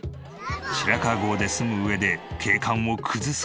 白川郷で住む上で景観を崩す事は許されない。